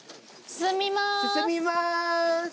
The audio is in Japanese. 進みます。